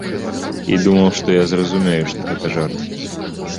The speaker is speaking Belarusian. І думаў, што я зразумею, што гэта жарт.